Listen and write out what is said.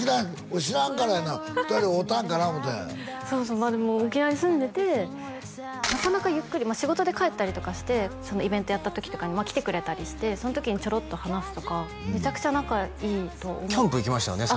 俺知らんからやな２人会うたんかな思うたんやそうそうでも沖縄に住んでてなかなかゆっくり仕事で帰ったりとかしてイベントやった時とかに来てくれたりしてその時にちょろっと話すとかめちゃくちゃ仲いいとキャンプ行きましたよね？